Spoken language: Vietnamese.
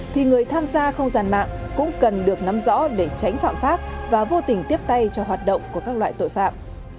thì người tham gia không gian mạng cũng cần được nắm rõ để tránh phạm pháp và vô tình tiếp tay cho hoạt động của các loại tội phạm